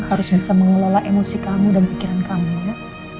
harus bisa mengelola emosi kamu dan pikiran kamu ya